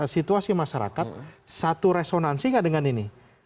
situasi masyarakat satu resonansi nggak dengan ini